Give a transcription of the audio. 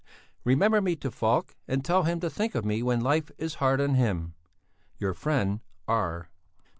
"Remember me to Falk and tell him to think of me when life is hard on him." "Your friend R."